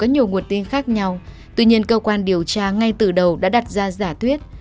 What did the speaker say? mặc dù có nhiều nguồn tin khác nhau tuy nhiên cơ quan điều tra ngay từ đầu đã đặt ra giả thuyết